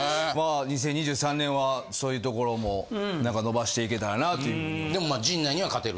２０２３年はそういうところもなんか伸ばしていけたらなというふうに。